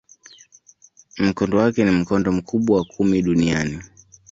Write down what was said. Mkondo wake ni mkondo mkubwa wa kumi duniani.